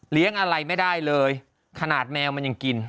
อะไรไม่ได้เลยขนาดแมวมันยังกิน